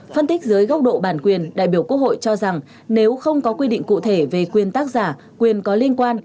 phân tích dưới góc độ bản quyền đại biểu quốc hội cho rằng nếu không có quy định cụ thể về quyền tác giả quyền có liên quan